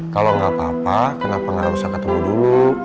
kalau nggak apa apa kenapa nggak usah ketemu dulu